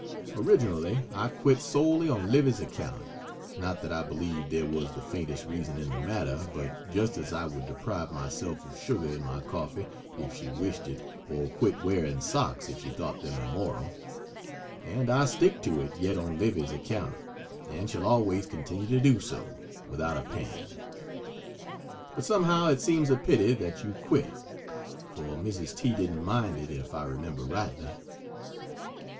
Originally, I quit solely on Livy's account, (not that I believed there was the faintest reason in the matter, but just as I would deprive myself of sugar in my coffee if she wished it, or quit wearing socks if she thought them immoral), and I stick to it yet on Livy's account, and shall always continue to do so, without a pang. But somehow it seems a pity that you quit, for Mrs. T. didn't mind it if I remember rightly.